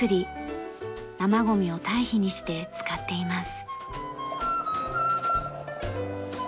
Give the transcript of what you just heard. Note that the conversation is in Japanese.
生ごみを堆肥にして使っています。